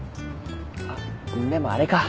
あっでもあれか。